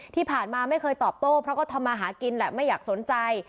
ที่ผ่านมาไม่เคยตอบโต้เพราะก็ทำมาหากินแหละไม่อยากสนใจ